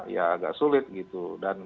ya agak sulit gitu